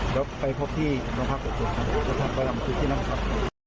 ครับไปพบที่โรงพลังค์ปกตินครับโรงพลังค์ปกตินนะครับ